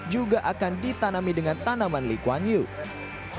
juga akan ditanami dengan tanaman lee kuan yew